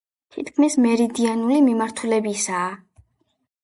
თითქმის მერიდიანული მიმართულებისაა.